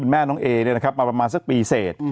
แม่น้องเอมาประมาณปีเศษ